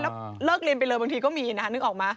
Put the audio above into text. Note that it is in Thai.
แล้วเลิกเรียนไปเลยบางทีก็มีนะนึกออกมา